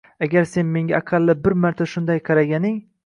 Agar sen menga aqalli bir marta shunday qaraganing